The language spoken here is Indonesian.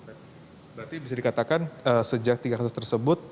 berarti bisa dikatakan sejak tiga kasus tersebut